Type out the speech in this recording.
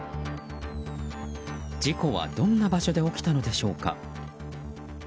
事故はどんな場所で起きたのでしょうか。